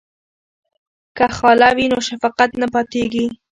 که خاله وي نو شفقت نه پاتیږي.